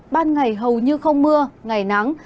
ban ngày hầu như không mưa ngày nắng